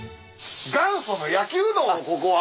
元祖の焼うどんをここは。